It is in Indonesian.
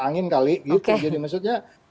angin kali jadi maksudnya